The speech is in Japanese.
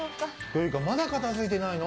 というかまだ片付いてないの？